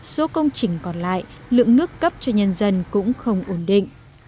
số công trình còn lại lượng nước cấp cho nhân dân cũng không ổn định